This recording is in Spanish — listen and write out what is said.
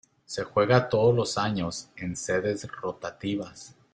Se juega todos los años en sedes rotativas.